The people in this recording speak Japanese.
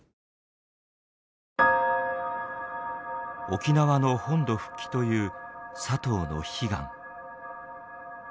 沖縄の本土復帰という佐藤の悲願。